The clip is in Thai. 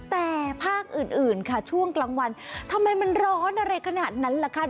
แต่ภาคอื่นค่ะช่วงกลางวันทำไมมันร้อนอะไรขนาดนั้นล่ะคะ